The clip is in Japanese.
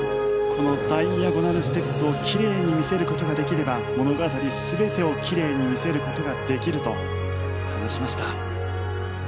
このダイアゴナルステップをキレイに見せる事ができれば物語全てをキレイに見せる事ができると話しました。